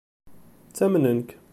Ttamnen-k.